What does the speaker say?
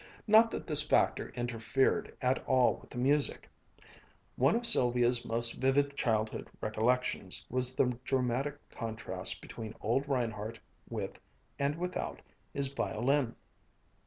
Not that this factor interfered at all with the music. One of Sylvia's most vivid childhood recollections was the dramatic contrast between old Reinhardt with, and without, his violin.